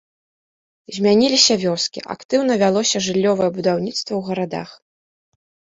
Змяняліся вёскі, актыўна вялося жыллёвае будаўніцтва ў гарадах.